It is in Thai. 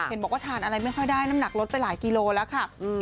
เห็นบอกว่าทานอะไรไม่ค่อยได้น้ำหนักลดไปหลายกิโลแล้วค่ะ